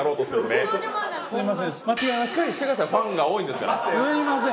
すみません。